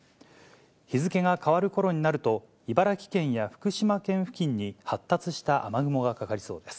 日付が変わるころになると、茨城県や福島県付近に発達した雨雲がかかりそうです。